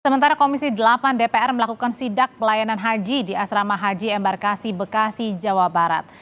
sementara komisi delapan dpr melakukan sidak pelayanan haji di asrama haji embarkasi bekasi jawa barat